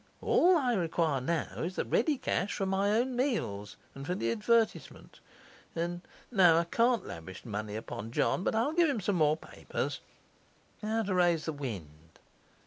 All that I require now is the ready cash for my own meals and for the advertisement, and no, I can't lavish money upon John, but I'll give him some more papers. How to raise the wind?